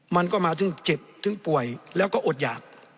มันก็มาถึงเจ็บถึงป่วยแล้วก็อดหยาก